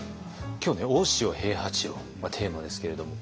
今日ね「大塩平八郎」テーマですけれども。